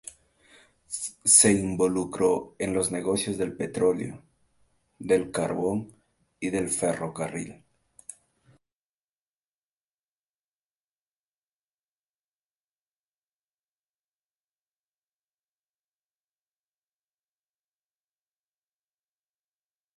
Se involucró en los negocios del petróleo, del carbón y del ferrocarril.